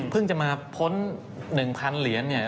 จะมาพ้น๑๐๐๐เหรียญเนี่ย